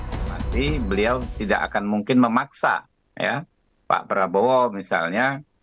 berarti beliau tidak akan mungkin memaksa pak prabowo misalnya